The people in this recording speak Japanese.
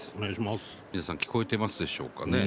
皆さん聞こえてますでしょうかね。